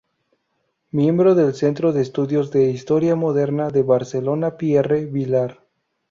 Miembro del Centro de Estudios de Historia Moderna de Barcelona Pierre Vilar.